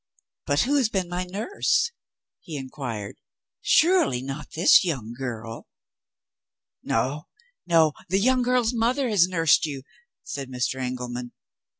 'But who has been my nurse?' he inquired; 'surely not this young girl?' 'No, no; the young girl's mother has nursed you,' said Mr. Engelman.